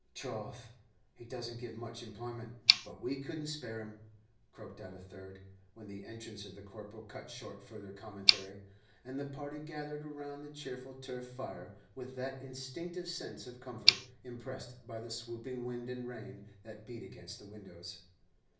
"Troth, he doesn't give much employment, but we couldn't spare him," croaked out a third, when the entrance of the Corporal cut short further commentary; and the party gathered around the cheerful turf fire with that instinctive sense of comfort impressed by the swooping wind and rain that beat against the windows.